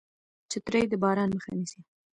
چترۍ د باران مخه نیسي